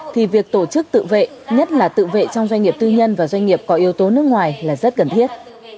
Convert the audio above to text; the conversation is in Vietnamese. thì việc tổ chức tự vệ nhất là tự vệ trong doanh nghiệp tư nhân và doanh nghiệp có yếu tố nước ngoài là rất cần thiết